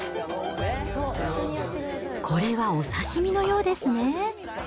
これはお刺身のようですね。